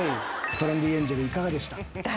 トレンディエンジェルいかがでした？